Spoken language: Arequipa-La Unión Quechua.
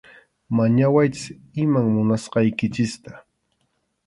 Mañawaychik iman munasqaykichikta.